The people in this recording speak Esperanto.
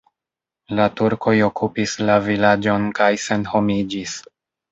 La turkoj okupis la vilaĝon kaj senhomiĝis.